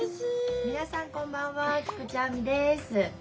皆さんこんばんは菊地亜美です。